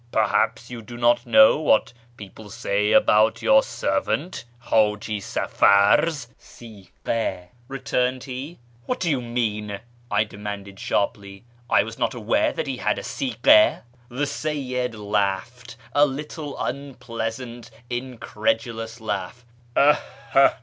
" Perhaps you do not know what people say about your servant Haji Safar's siglia ?" returned he. " What do you mean ?" I demanded sharply ;" I was not aware that he liad a stfjJia." The Seyyid laughed — a little, unpleasant, incredulous laugh.